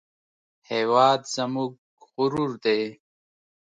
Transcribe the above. هېواد زموږ غرور دی